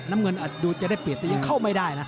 น้ำเงินดูจะได้เปรียบแต่ยังเข้าไม่ได้นะ